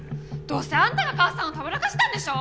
どうせあんたが母さんをたぶらかしたんでしょ！